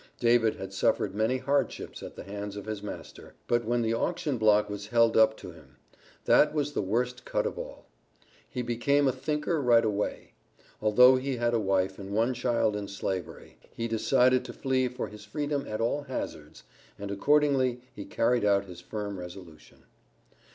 David had suffered many hardships at the hands of his master, but when the auction block was held up to him, that was the worst cut of all. He became a thinker right away. Although he had a wife and one child in Slavery, he decided to flee for his freedom at all hazards, and accordingly he carried out his firm resolution.